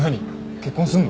結婚すんの？